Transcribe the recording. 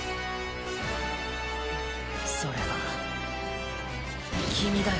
それは君だよ。